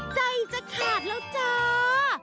ใจจะขาดแล้วจ้า